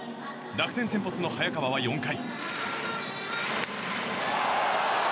楽天先発の早川は４回。